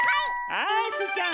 はいスイちゃん。